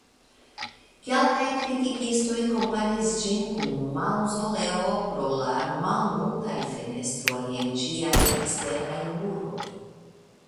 Kelkaj kritikistoj komparis ĝin kun maŭzoleo pro la malmultaj fenestroj en ĝiaj eksteraj muroj.